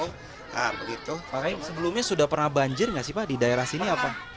pak kai sebelumnya sudah pernah banjir nggak sih pak di daerah sini apa